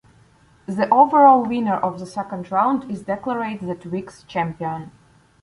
The overall winner of the second round is declared that week's champion.